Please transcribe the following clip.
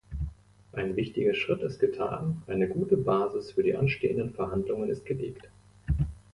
Ein wichtiger Schritt ist getan, eine gute Basis für die anstehenden Verhandlungen ist gelegt.